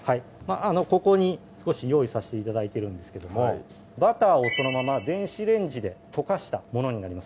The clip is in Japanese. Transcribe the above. ここに少し用意させて頂いてるんですけどもバターをそのまま電子レンジで溶かしたものになります